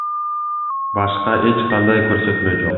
Башка эч кандай көрсөтмө жок.